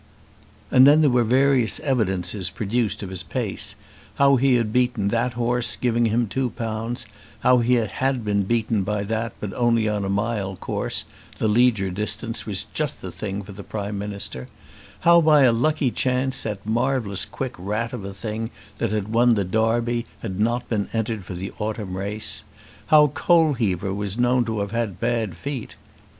And then there were various evidences produced of his pace, how he had beaten that horse, giving him two pounds; how he had been beaten by that, but only on a mile course; the Leger distance was just the thing for Prime Minister; how by a lucky chance that marvellous quick rat of a thing that had won the Derby had not been entered for the autumn race; how Coalheaver was known to have had bad feet.